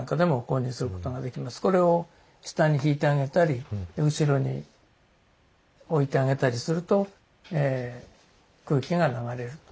これを下に敷いてあげたり後ろに置いてあげたりすると空気が流れるということなんです。